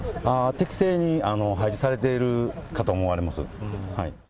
適正に配置されているかと思われます。